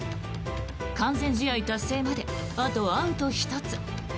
完全試合達成まであとアウト１つ。